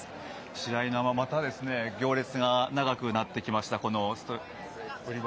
試合後、また行列が長くなってきました。